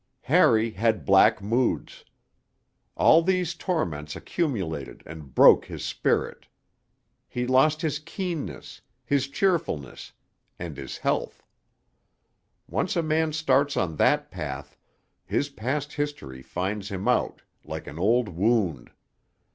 III Harry had black moods. All these torments accumulated and broke his spirit. He lost his keenness, his cheerfulness, and his health. Once a man starts on that path, his past history finds him out, like an old wound.